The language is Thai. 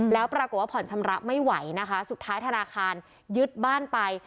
แล้วปรากฏว่าผ่อนชำระไม่ไหวนะคะสุดท้ายธนาคารยึดบ้านไป